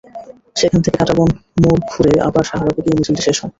সেখান থেকে কাঁটাবন মোড় ঘুরে আবার শাহবাগে গিয়ে মিছিলটি শেষ হয়।